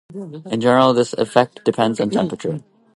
In general, this effect depends on temperature.